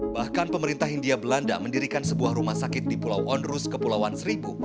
bahkan pemerintah hindia belanda mendirikan sebuah rumah sakit di pulau onrus kepulauan seribu